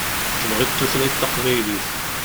Tebɣiḍ tutlayt taqbaylit.